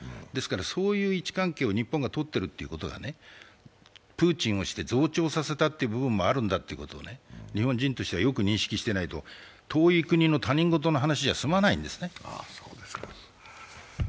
ですからそういう位置関係を日本がとってるということは、プーチンをして増長させたということもあるんだということを日本人としてはよく認識しておかないと、遠い国の他人事では済まないんですね。